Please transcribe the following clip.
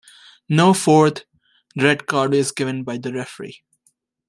No fourth red card is given by the referee.